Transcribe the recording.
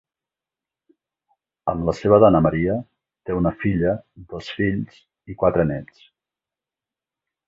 Amb la seva dona Maria, té una filla, dos fills i quatre nets.